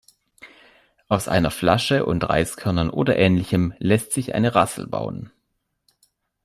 Aus einer Flasche und Reiskörnern oder Ähnlichem lässt sich eine Rassel bauen.